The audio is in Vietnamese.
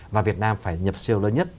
và việt nam phải nhập siêu lớn nhất